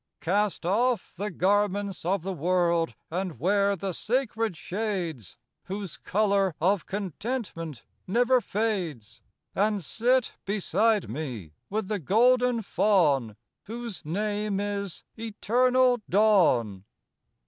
68 Cast off the garments of the world And wear the sacred shades, Whose color of contentment never fades, And sit beside me with the golden fawn, Whose name is Eternal Dawn.